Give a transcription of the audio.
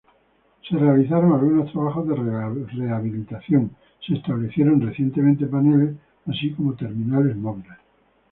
Se realizaron algunos trabajos de rehabilitación, se establecieron recientemente paneles así como terminales móviles.